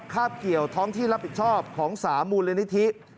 บเกี่ยวท้องที่รับผิดชอบของ๓มูลนิธิ